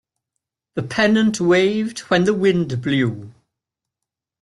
The pennant waved when the wind blew.